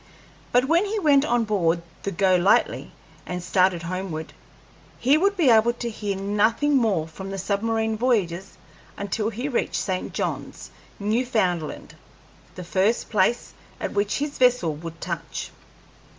But when he went on board the Go Lightly and started homeward, he would be able to hear nothing more from the submarine voyagers until he reached St. John's, Newfoundland the first place at which his vessel would touch.